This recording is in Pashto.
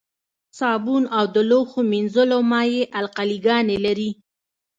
صابون او د لوښو مینځلو مایع القلي ګانې لري.